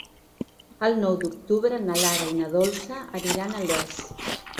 El nou d'octubre na Lara i na Dolça aniran a Les.